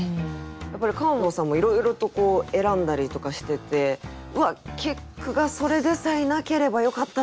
やっぱり川野さんもいろいろと選んだりとかしててうわっ結句がそれでさえなければよかったのに！とか。